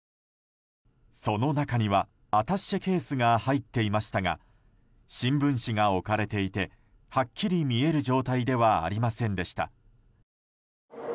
その中にはアタッシェケースが入っていましたが新聞紙が置かれていてはっきり見える状態ではありませんでした。